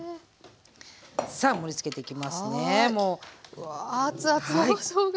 うわあ熱々のしょうが